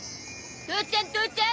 父ちゃん父ちゃん！